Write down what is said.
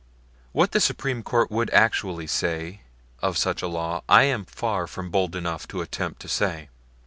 What the Supreme Court would actually say of such a law I am far from bold enough to attempt to say.